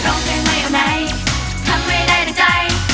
ร้องเพลงไม่ไหนทำไม่ได้ใจ